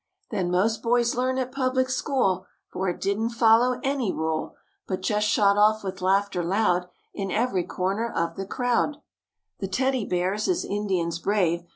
Than most boys leam at public school; For it didn't follow any rule, But just shot off with laughter loud In every comer of the crowd. The Teddy Bears, as Indians brave.